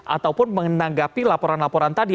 ataupun menanggapi laporan laporan tadi